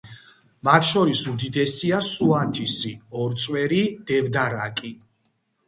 მათ შორის უდიდესია სუათისი, ორწვერი, დევდარაკი.